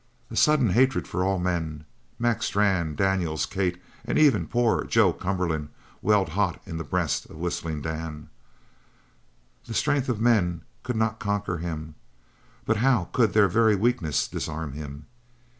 A sudden hatred for all men, Mac Strann, Daniels, Kate, and even poor Joe Cumberland, welled hot in the breast of Whistling Dan. The strength of men could not conquer him; but how could their very weakness disarm him?